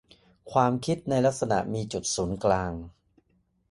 ความคิดในลักษณะ มีศูนย์กลาง